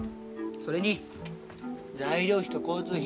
それに材料費と交通費